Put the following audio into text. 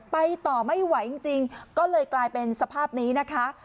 ไปต่อไม่ไหวจริงก็เลยกลายเป็นสภาพนี้นะคะ